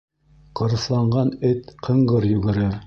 Ҡырыҫланған эт ҡыңғыр йүгерер.